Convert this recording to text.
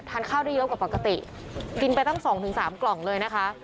ข้าวได้เยอะกว่าปกติกินไปตั้ง๒๓กล่องเลยนะคะ